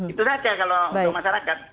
itu saja kalau masyarakat